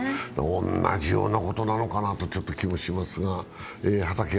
同じようなことなのかなという気もしますが。